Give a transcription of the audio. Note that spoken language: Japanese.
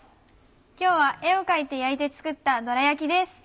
今日は絵を描いて焼いて作ったどら焼きです。